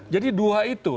jadi dua itu